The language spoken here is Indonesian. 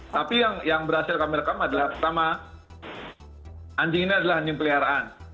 tapi yang berhasil kami rekam adalah pertama anjing ini adalah anjing peliharaan